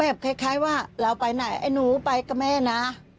คล้ายว่าเราไปไหนไอ้หนูไปกับแม่นะ